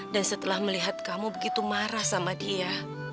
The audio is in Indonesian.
dan setelah melihat kamu begitu marah sama dia